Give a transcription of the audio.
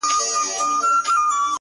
شراب لس خُمه راکړه ـ غم په سېلاب راکه ـ